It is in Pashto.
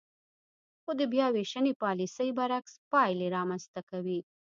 خو د بیاوېشنې پالیسۍ برعکس پایلې رامنځ ته کوي.